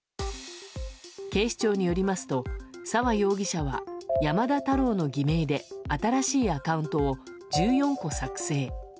警視庁によりますと沢容疑者は、山田太郎の偽名で新しいアカウントを１４個作成。